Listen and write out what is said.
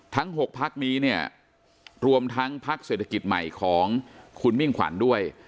ทั้ง๖พักนี้เนี่ยรวมทั้งพักเศรษฐกิจใหม่ของคุณมิ่งขวัญด้วย